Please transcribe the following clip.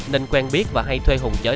nên quen biết và hay thuê hùng chở đi